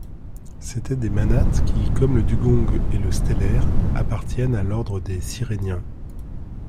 C'étaient des manates qui, comme le dugong et le stellère, appartiennent à l'ordre des syréniens.